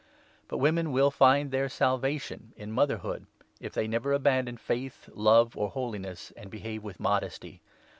But women will find their salvation in mother ig hood, if they never abandon faith, love, or holiness, and behave with modesty.